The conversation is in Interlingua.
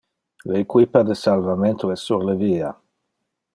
Le equipa de salvamento es sur le via.